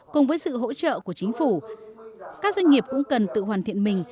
cùng với sự hỗ trợ của chính phủ các doanh nghiệp cũng cần tự hoàn thiện mình